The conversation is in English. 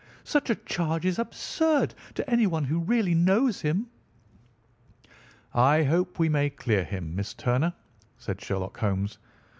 Such a charge is absurd to anyone who really knows him." "I hope we may clear him, Miss Turner," said Sherlock Holmes.